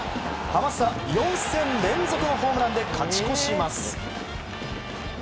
ハマスタ４戦連続のホームランで勝ち越します。